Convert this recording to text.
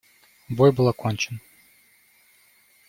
Бой был окончен.